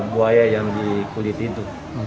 buaya yang dikulit itu